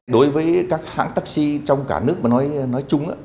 đối với các hãng taxi trong cả nước mà nói chung